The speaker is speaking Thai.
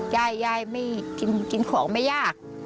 ยายยายไม่กินของไม่ยาก